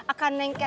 akan neng kety